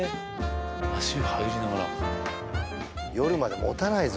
足湯入りながら夜までもたないぞ